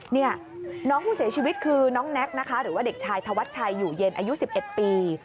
นี่น้องผู้เสียชีวิตคือน้องแน็กนะคะหรือว่าเด็กชายธวัชชัยอยู่เย็นอายุ๑๑ปี